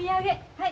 はい。